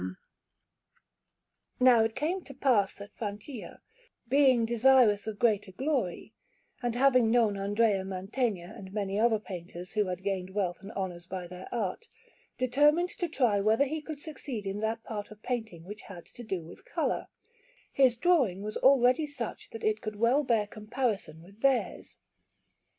Giacomo Maggiore, Bentivoglio Chapel_) Anderson] Now it came to pass that Francia, being desirous of greater glory, and having known Andrea Mantegna and many other painters who had gained wealth and honours by their art, determined to try whether he could succeed in that part of painting which had to do with colour; his drawing was already such that it could well bear comparison with theirs.